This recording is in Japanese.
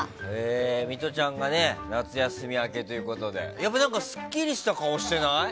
ミトちゃんが夏休み明けということでやっぱりスッキリした顔してない？